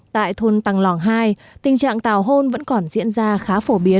tại thôn tăng lòng hai tình trạng tào hôn vẫn còn diễn ra khá phổ biến